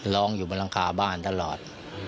ล้องแหวคที่บรรลังคาบ้านตลอด